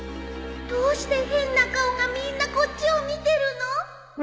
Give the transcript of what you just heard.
どうして変な顔がみんなこっちを見てるの？